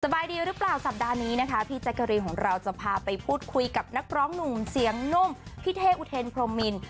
บายดีหรือเปล่าสัปดาห์นี้นะคะพี่แจ๊กกะรีนของเราจะพาไปพูดคุยกับนักร้องหนุ่มเสียงนุ่มพี่เท่อุเทนพรมมิน